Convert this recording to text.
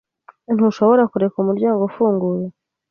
Ntushobora kureka umuryango ufunguye?